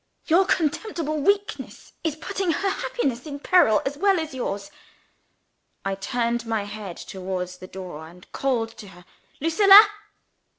"Your contemptible weakness is putting her happiness in peril as well as yours." I turned my head towards the door, and called to her. "Lucilla!"